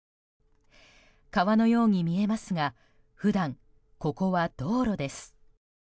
川のように見えますが普段、ここは道路です。